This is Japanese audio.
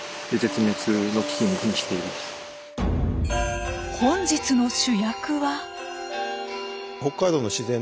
本日の主役は。